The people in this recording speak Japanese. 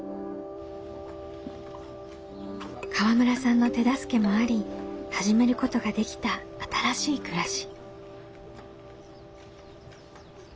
河村さんの手助けもあり始めることができた新しい暮らし。